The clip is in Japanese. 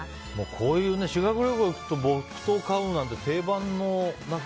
こういう修学旅行に行くと木刀買うなんて定番の。